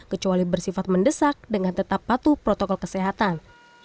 kecuali bersifat mendesak dengan tetap patuh protokol kesehatan